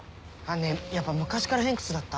ねぇやっぱ昔から偏屈だった？